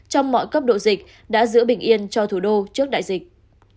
trong mọi cấp độ dịch đã giữ bình yên cho thủ đô trước đại dịch